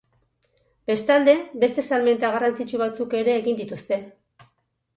Bestalde, beste salmenta garrantzitsu batzuk ere egin dituzte.